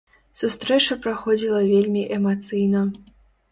Сустрэча праходзіла вельмі эмацыйна.